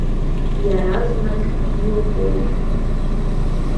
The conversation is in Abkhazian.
Иаразнак иубоит.